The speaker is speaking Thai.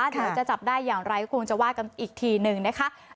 เดี๋ยวจะจับได้อย่างไรก็คงจะว่ากันอีกทีหนึ่งนะคะ